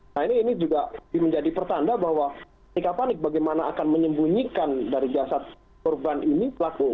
nah ini juga menjadi pertanda bahwa ketika panik bagaimana akan menyembunyikan dari jasad korban ini pelaku